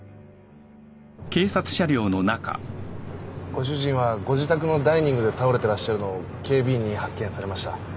ご主人はご自宅のダイニングで倒れてらっしゃるのを警備員に発見されました。